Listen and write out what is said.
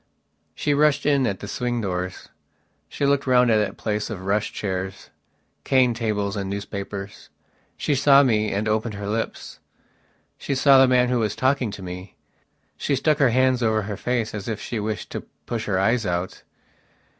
She rushed in at the swing doors. She looked round that place of rush chairs, cane tables and newspapers. She saw me and opened her lips. She saw the man who was talking to me. She stuck her hands over her face as if she wished to push her eyes out.